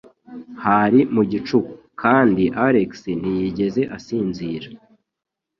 Hari mu gicuku, kandi Alex ntiyigeze asinzira.